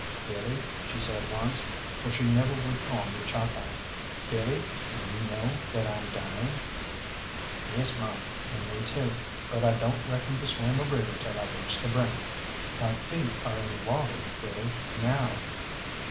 "Billy," she said once, for she never would call me Chalkeye, "Billy, do you know that I'm dying?" "Yes, mum, and me too, but I don't reckon to swim a river till I reach the brink." "My feet are in the waters, Billy, now."